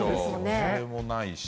それもないし。